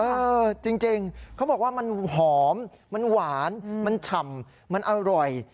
เออจริงเขาบอกว่ามันหอมมันหวานมันฉ่ำมันอร่อย